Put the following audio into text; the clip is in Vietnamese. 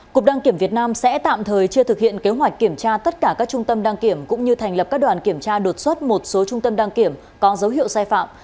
cục đăng kiểm việt nam sẽ tạm thời chưa thực hiện kế hoạch kiểm tra tất cả các trung tâm đăng kiểm cũng như thành lập các đoàn kiểm tra đột xuất một số trung tâm đăng kiểm có dấu hiệu sai phạm